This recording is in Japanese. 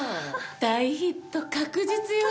大ヒット確実よ。